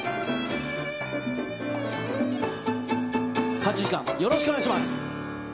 ８時間、よろしくお願いします。